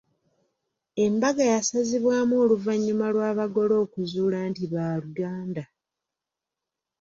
Embaga yasazibwamu oluvannyuma lw'abagole okuzuula nti baaluganda.